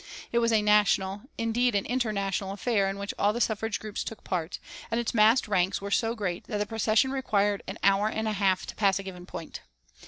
It was a national, indeed an inter national affair in which all the suffrage groups took part, and its massed ranks were so great that the procession required an hour and a half to pass a given point.